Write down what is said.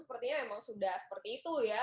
sepertinya memang sudah seperti itu ya